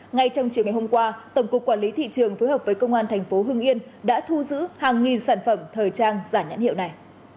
ngay trong chiều ngày hôm qua tổng cục quản lý thị trường phối hợp với công an thành phố hưng yên đã thu giữ hàng nghìn sản phẩm thời trang giả nhãn hiệu này